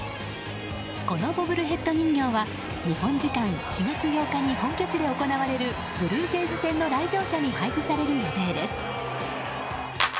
このボブルヘッド人形は日本時間４月８日に本拠地で行われるブルージェイズ戦の来場者に配布される予定です。